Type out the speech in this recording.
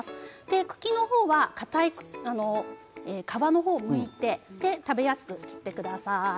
茎の方は、かたい皮の方はむいて食べやすく切ってください。